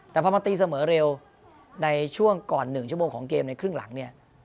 แต่พอมาตีเสมอเร็วในช่วงก่อน๑ชั่วโมงของเกมในครึ่งหลังเนี่ย